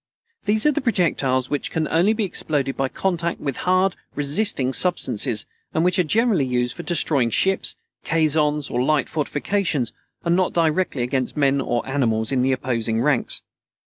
These are the projectiles which can only be exploded by contact with hard, resisting substances, and which are generally used for destroying ships, caissons, or light fortifications, and not directly against men or animals in the opposing ranks.